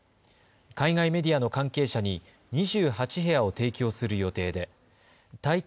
海外メディアの関係者に２８部屋を提供する予定で大会